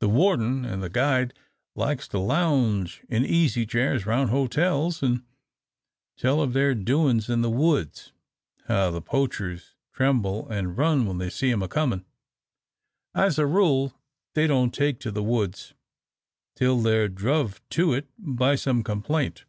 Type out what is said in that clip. The warden an' the guide likes to lounge in easy chairs round hotels an' tell of their doin's in the woods, how the poachers tremble an' run when they see 'em comin'. As a rule, they don't take to the woods till they're druv to it by some complaint.